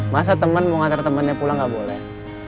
masa temen mau ngantar temannya pulang gak boleh